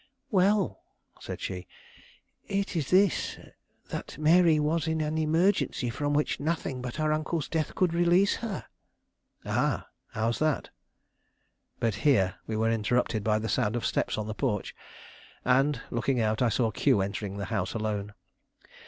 "Well," said she, "it is this; that Mary was in an emergency from which nothing but her uncle's death could release her." "Ah, how's that?" But here we were interrupted by the sound of steps on the porch, and, looking out, I saw Q entering the house alone.